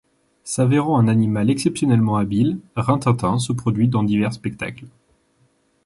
S'avérant un animal exceptionnellement habile, Rintintin se produit dans divers spectacles.